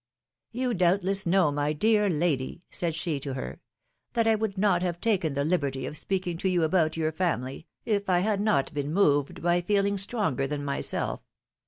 You doubtless know, my dear lady/^ said she to her, that I would not have taken the liberty of speaking to you about your family, if I had not been moved by feel ings stronger than myself.